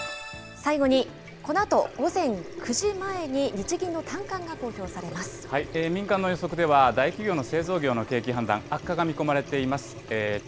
最後に、このあと午前９時前に日民間の予測では、大企業の製造業の判断悪化が見込まれています。